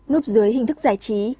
núp dưới hình thức giải trí